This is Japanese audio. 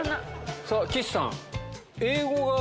さぁ岸さん。